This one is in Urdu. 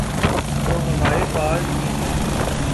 تو ہمارے پاس بھی ہے۔